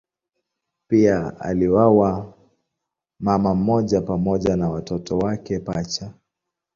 Pia aliuawa mama mmoja pamoja na watoto wake pacha.